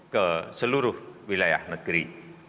ke seluruh wilayah negeri